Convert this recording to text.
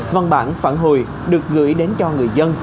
văn bản phản hồi được gửi đến cho người dân